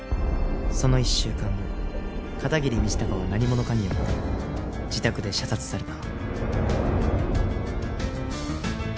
その１週間後片桐道隆は何者かによって自宅で射殺された。